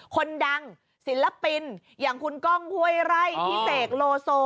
คนดังศิลปินอย่างคุณก้องห้วยไร่พี่เสกโลโซ